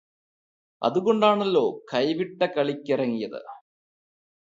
അതുകൊണ്ടാണല്ലോ കൈവിട്ട കളിയ്ക്ക് ഇറങ്ങിയത്.